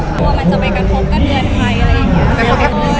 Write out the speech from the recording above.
หรือว่ามันจะไปกันพบกันเดือนใครอะไรอย่างนี้